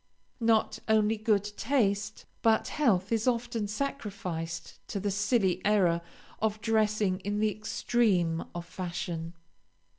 Not only good taste, but health is often sacrificed to the silly error of dressing in the extreme of fashion.